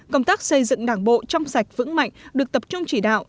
công tác xây dựng đảng bộ trong sạch vững mạnh được tập trung chỉ đạo